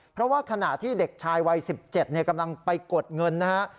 เพราะว่าขณะที่เด็กชายวัย๑๗กำลังไปกดเงินนะฮะ